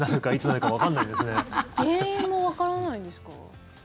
原因もわからないんですか？